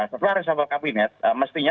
setelah resafel kabinet mestinya